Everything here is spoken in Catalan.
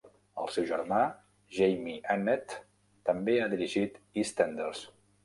El seu germà, Jamie Annett, també ha dirigit "EastEnders".